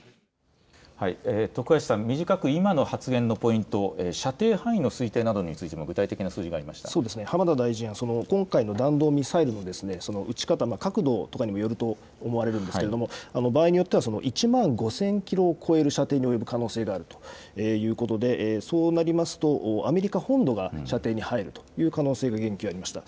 徳橋さん、短く今の発言のポイント、射程範囲の推定などにつ浜田大臣は今回の弾道ミサイルの撃ち方、角度とかにもよると思われるんですけれども、場合によっては、１万５０００キロを超える射程に及ぶ可能性があると、そうなりますと、アメリカ本土が射程に入るという可能性が言及がありました。